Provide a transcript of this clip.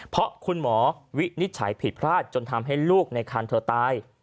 เพราะคุณหมอวินิจฉัยผิดพลาดจนทำให้ลูกในคันเธอตาย